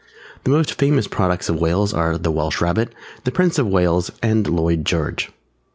The most famous products of Wales are the Welsh Rabbit, the Prince of Wales and Lloyd George.